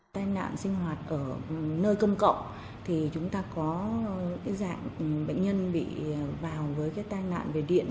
tai nạn sinh hoạt ở nơi công cộng thì chúng ta có cái dạng bệnh nhân bị vào với cái tai nạn về điện